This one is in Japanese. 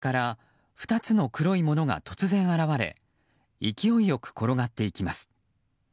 画面の上から２つの黒いものが突然現れ勢いよく転がっていきます。